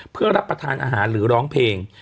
เพื่อรับประทานอาหารหรือร้องเพลง